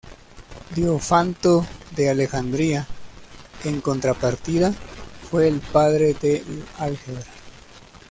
Diofanto de Alejandría, en contrapartida, fue el "padre del álgebra".